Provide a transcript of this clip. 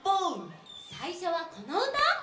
さいしょはこのうた！